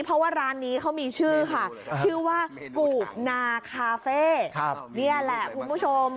เพราะว่าร้านนี้เขามีชื่อค่ะชื่อว่ากูบนาคาเฟ่นี่แหละคุณผู้ชม